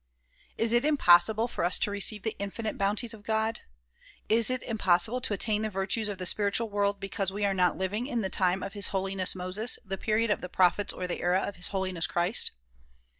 Is it impossible for us to receive the infinite bounties of God? Is it impossible to attain the virtues of the spiritual world because we are not living in the time of His Holiness Moses, the period of the prophets or the era of His Holiness Christ